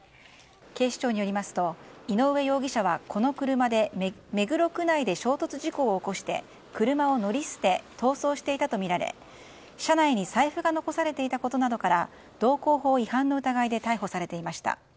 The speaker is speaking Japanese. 警視庁によりますと井上容疑者はこの車で目黒区内で衝突事故を起こして車を乗り捨て逃走していたとみられ車内に財布が残されていたことなどから道交法違反の疑いで逮捕されていました。